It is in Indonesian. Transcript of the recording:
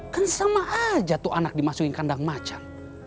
kan sama aja tuh anak dimasukin kandang macan